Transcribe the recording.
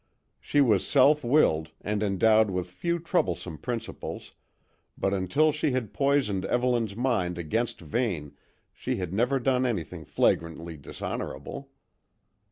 She was self willed, and endowed with few troublesome principles, but until she had poisoned Evelyn's mind against Vane she had never done anything flagrantly dishonourable.